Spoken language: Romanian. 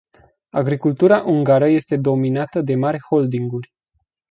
Agricultura ungară este dominată de mari holdinguri.